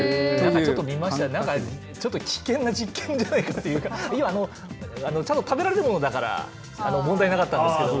ちょっとなんか危険な実験じゃないかっていう、ちゃんと食べられるものだから問題なかったんですけども。